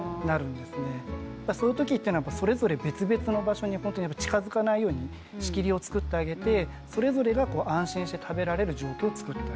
その時っていうのはそれぞれ別々の場所に本当に近づかないように仕切りを作ってあげてそれぞれが安心して食べられる状況を作ってあげる。